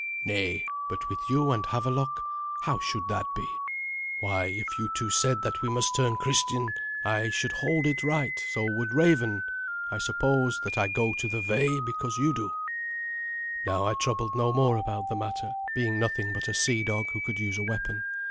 "Nay, but with you and Havelok? How should that be? Why, if you two said that we must turn Christian, I should hold it right; so would Raven. I suppose that I go to the Ve because you do." Now I troubled no more about the matter, being nothing but a sea dog who could use a weapon.